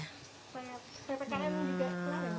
pak ppkm juga